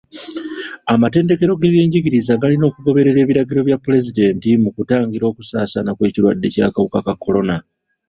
Amatendekero g'ebyenjigiriza galina okugoberera ebiragiro bya pulezidenti mu kutangira okusaasaana kw'ekirwadde ky'akawuka ka kolona.